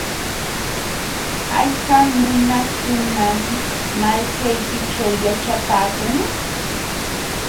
¿Hayka nunakunam malkaykićhu yaćhapaakun?